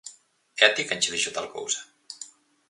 E a ti quen che dixo tal cousa?